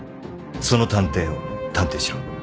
その探偵を探偵しろ。